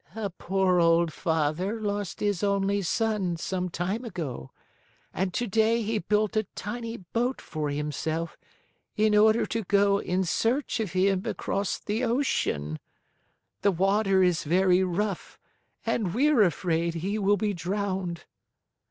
"A poor old father lost his only son some time ago and today he built a tiny boat for himself in order to go in search of him across the ocean. The water is very rough and we're afraid he will be drowned."